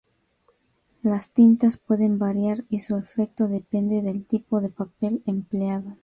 Las tintas pueden variar y su efecto depende del tipo de papel empleado.